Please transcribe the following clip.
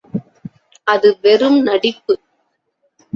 அது வெறும் நடிப்பு.